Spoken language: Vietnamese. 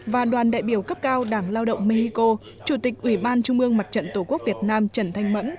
và đoàn đại biểu cấp cao đảng lao động mexico chủ tịch ủy ban trung ương mặt trận tổ quốc việt nam trần thanh mẫn